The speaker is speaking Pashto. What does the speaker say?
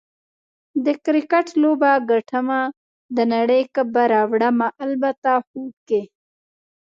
د کرکټ لوبه ګټمه، د نړۍ کپ به راوړمه - البته خوب کې